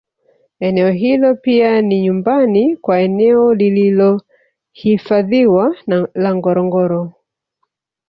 Eneo hilo pia ni nyumbani kwa eneo lililohifadhiwa la Ngorongoro